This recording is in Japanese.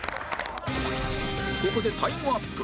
ここでタイムアップ